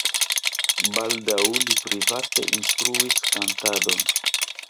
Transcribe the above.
Baldaŭ li private instruis kantadon.